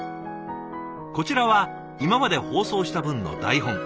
こちらは今まで放送した分の台本。